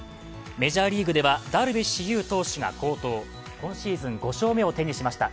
メジャーリーグではダルビッシュ有投手が好投、今シーズン５勝目を手にしました。